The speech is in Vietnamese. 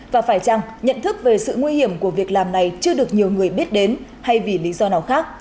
và phải chăng nhận thức về sự nguy hiểm của việc làm này chưa được nhiều người biết đến hay vì lý do nào khác